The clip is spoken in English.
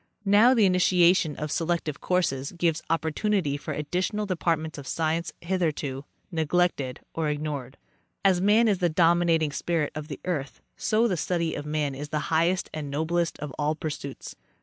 Now the initiation of selective courses gives opportunity for additional departments of science, hitherto neglected or ignored. As man is the dominating spirit of the earth, so the study of man is the highest and noblest of all pursuits.